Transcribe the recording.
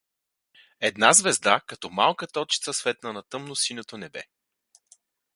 Една звезда като малка точица светна на тъмносиньото небе.